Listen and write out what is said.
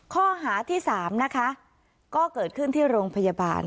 ข้อหาที่๓นะคะก็เกิดขึ้นที่โรงพยาบาล